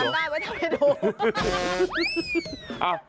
ทำได้ไว้ทำให้ดู